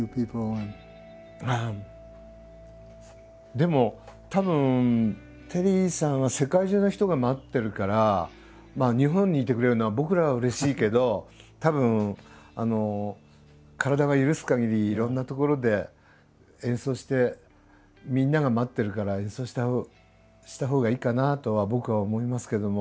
でもたぶんテリーさんは世界中の人が待ってるから日本にいてくれるのは僕らはうれしいけどたぶん体が許すかぎりいろんな所で演奏してみんなが待ってるから演奏したほうがいいかなとは僕は思いますけども。